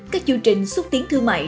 các chương trình xúc tiến thương mại